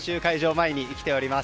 前に来ております。